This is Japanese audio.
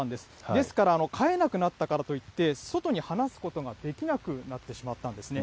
ですから飼えなくなったからといって、外に放すことができなくなってしまったんですね。